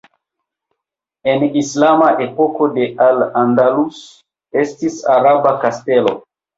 En islama epoko de Al Andalus estis araba kastelo.